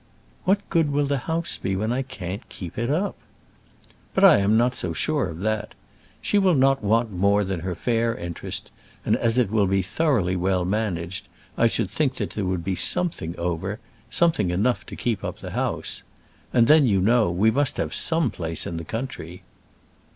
"What good will the house be, when I can't keep it up?" "But I am not so sure of that. She will not want more than her fair interest; and as it will be thoroughly well managed, I should think that there would be something over something enough to keep up the house. And then, you know, we must have some place in the country."